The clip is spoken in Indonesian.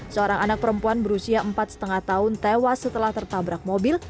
seorang anak perempuan berusia empat lima tahun tewas setelah tertabrak mobil